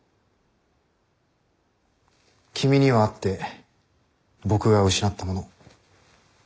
君にはあって僕が失ったもの。